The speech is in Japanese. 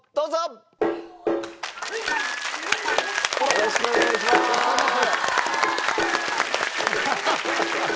よろしくお願いします。